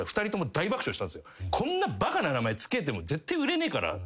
こんなバカな名前つけてもぜってえ売れねえから。